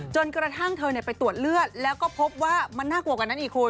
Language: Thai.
จนกระทั่งเธอไปตรวจเลือดแล้วก็พบว่ามันน่ากลัวกว่านั้นอีกคุณ